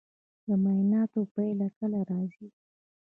د معایناتو پایله کله راځي؟